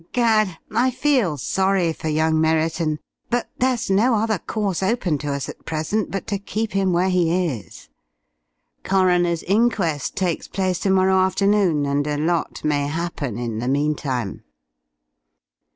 Gad! I feel sorry for young Merriton. But there's no other course open to us at present but to keep him where he is. Coroner's inquest takes place to morrow afternoon, and a lot may happen in the meantime."